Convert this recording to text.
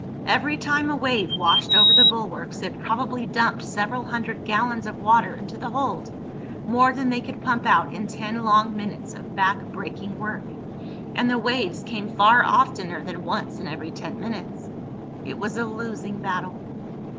Every time a wave washed over the bulwarks it probably dumped several hundred gallons of water into the hold—more than they could pump out in ten long minutes of back breaking work. And the waves came far oftener than once in every ten minutes. It was a losing battle.